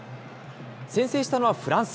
先制したのはフランス。